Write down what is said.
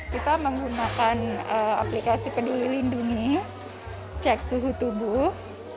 kita menggunakan aplikasi peduli lindungi cek suhu tubuh